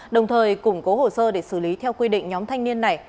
đồng thời củng cố hồ sơ để xử lý theo quy định nhóm thanh niên này